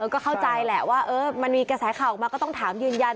ก็เข้าใจแหละว่ามันมีกระแสข่าวออกมาก็ต้องถามยืนยัน